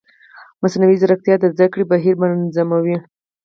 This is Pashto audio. مصنوعي ځیرکتیا د زده کړې بهیر منظموي.